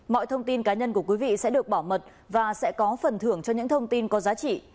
mọi thông tin cá nhân của quý vị sẽ được bảo mật và sẽ có phần thưởng cho những thông tin có giá trị